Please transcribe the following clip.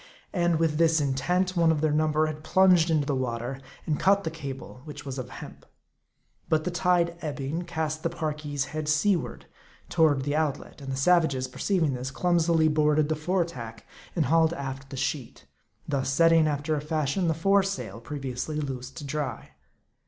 And with this intent, one of their number had plunged into the water, and cut the cable, which was of hemp. But the tide ebbing, cast the Parki's head seaward toward the out let ; and the savages, perceiving this, clumsily boarded the fore tack, and hauled aft the sheet ; thus setting, after a fashion, the fore sail, previously loosed to dry.